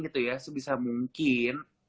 gitu ya sebisa mungkin